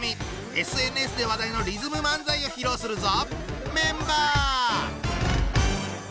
ＳＮＳで話題のリズム漫才を披露するぞ！